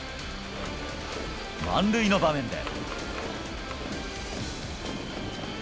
満塁の場面で。